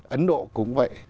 ấn độ cũng vậy